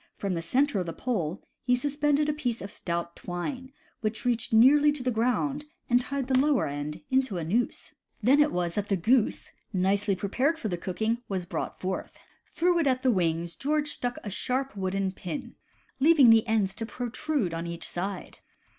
From the center of the pole he suspended a piece of stout twine, which reached nearly to the ground, and tied the lower end into a noose. 136 CAMPING AND WOODCRAFT Then it was that the goose, nicely prepared for the cooking, was brought forth. Through it at the wings George stuck a sharp wooden pin, leaving the ends to protrude on each side.